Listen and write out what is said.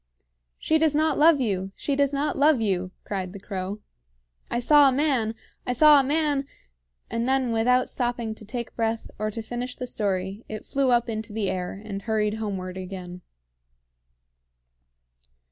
"She does not love you! she does not love you!" cried the crow. "I saw a man I saw a man, " and then, without stopping to take breath, or to finish the story, it flew up into the air, and hurried homeward again.